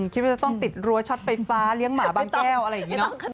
คิดว่าจะต้องติดรั้วช็อตไฟฟ้าเลี้ยงหมาบางแก้วอะไรอย่างนี้เนอะ